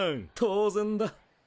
当然だ。